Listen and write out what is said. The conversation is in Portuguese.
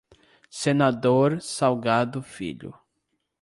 Senador Salgado Filho